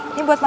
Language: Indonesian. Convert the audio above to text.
ini buat mama